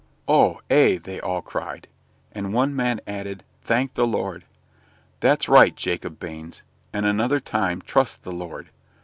"Oh, ay!" they all cried. And one man added "Thank the Lord!" "That's right, Jacob Baines: and, another time, trust the Lord.